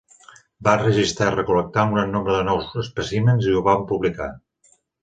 Van enregistrar i recol·lectar un gran nombre de nous espècimens i ho van publicar.